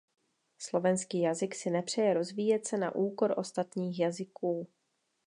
Slovenský jazyk si nepřeje rozvíjet se na úkor ostatních jazyků.